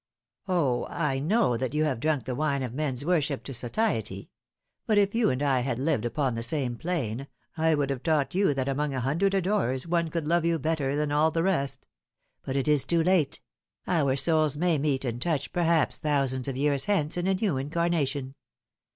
" O, I know that you have drunk the wine of men's worship to satiety ! Yet if you and I had lived upon the same plane, I would have taught you that among a hundred adorers one could love you better than all the rest. But it is too late. Our souls may meet and touch perhaps thousands of years hence in a new incarnation."